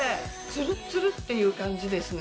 ツルッツルっていう感じですね